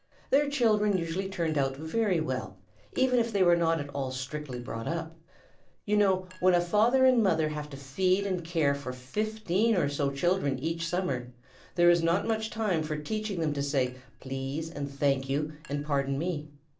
Their children usually turned out very well, even if they were not at all strictly brought up. You know when a father and mother have to feed and care for fifteen or so children each summer, there is not much time for teaching them to say "please" and "thank you" and "pardon me."